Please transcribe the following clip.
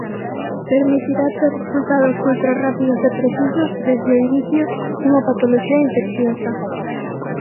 Permitirá ter resultados ultrarrápidos e precisos desde o inicio dunha patoloxía infecciosa.